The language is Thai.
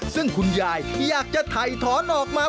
ซึ่งคุณยายอยากจะถ่ายถอนออกมา